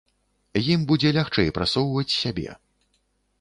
Ім будзе лягчэй прасоўваць сябе.